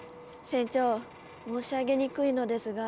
船長申し上げにくいのですが。